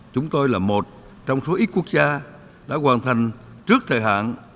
chúng tôi là một trong số ít quốc gia đã hoàn thành trước thời hạn